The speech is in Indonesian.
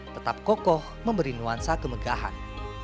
tetap kokoh memberi nuansa kemegahan